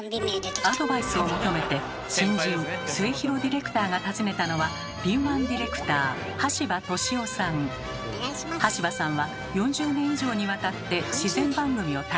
アドバイスを求めて新人・末廣ディレクターが訪ねたのは敏腕ディレクター橋場さんは４０年以上にわたって自然番組を担当。